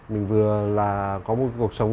mình vừa là có một cuộc sống